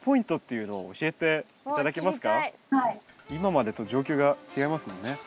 今までと状況が違いますもんね。